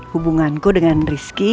hubunganku dengan rizky